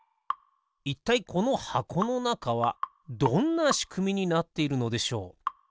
いったいこのはこのなかはどんなしくみになっているのでしょう？